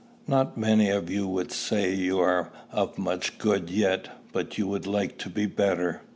Not many of you would say you are of much good yet; but you would like to be better.